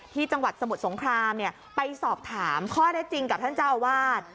จังหวัดสมุทรสงครามไปสอบถามข้อได้จริงกับท่านเจ้าอาวาส